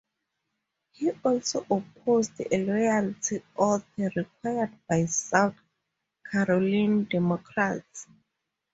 He also opposed a loyalty oath required by South Carolina Democrats.